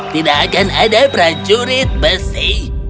tidak akan ada prajurit besi